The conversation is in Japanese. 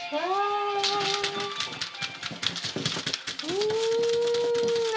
うん！